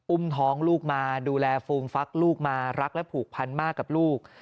อุ้มท้องลูกมาดูแลฟูมฟักลูกมารักและผูกพันมากกับลูก